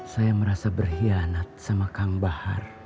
saya merasa berkhianat sama kang bahar